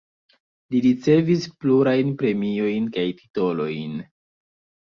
Li ricevis plurajn premiojn kaj titolojn.